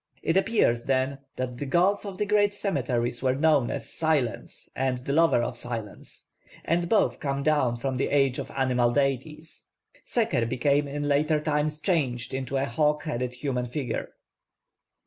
It appears, then, that the gods of the great cemeteries were known as Silence and the Lover of Silence, and both come down from the age of animal deities. Seker became in late times changed into a hawk headed human figure.